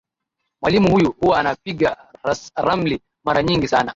Mwalimu huyu huwa anapiga ramli mara nyingi sana.